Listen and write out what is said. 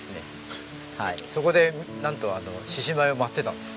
そこでなんと獅子舞を舞ってたんです。